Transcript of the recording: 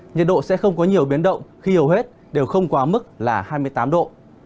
nhiệt độ sẽ không có nhiều biến động khi hầu hết đều không quá mức là hai mươi tám độ